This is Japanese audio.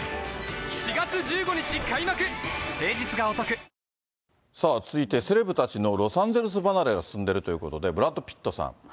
アサヒの緑茶「颯」続いて、セレブたちのロサンゼルス離れが進んでいるということで、ブラッド・ピットさん。